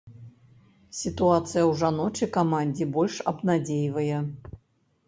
Сітуацыя ў жаночай камандзе больш абнадзейвае.